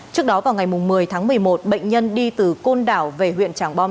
trước đó vào ngày một mươi tháng một mươi một bệnh nhân đi từ côn đảo về huyện tràng bom